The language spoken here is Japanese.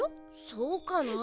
そうかなあ？